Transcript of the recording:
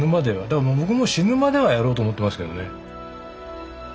だから僕も死ぬまではやろうと思ってますけどね。